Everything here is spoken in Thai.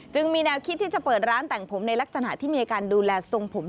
มีแนวคิดที่จะเปิดร้านแต่งผมในลักษณะที่มีการดูแลทรงผม